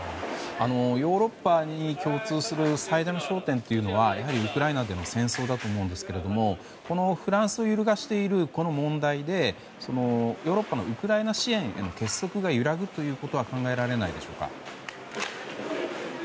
ヨーロッパに共通する焦点というのはやはりウクライナでの戦争だと思うんですがフランスを揺るがしているこの問題でヨーロッパのウクライナ支援への結束が揺らぐということは考えられないでしょうか。